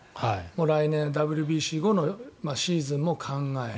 来年、ＷＢＣ後のシーズンも考え